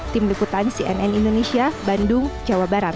tim liputan cnn indonesia bandung jawa barat